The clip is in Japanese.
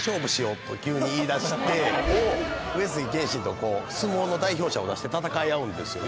急に言いだして上杉謙信と相撲の代表者を出して戦い合うんですよね。